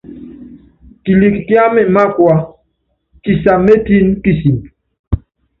Kilik kiámɛ mákua, kisa métiin kisimb.